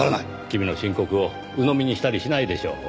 君の申告をうのみにしたりしないでしょう。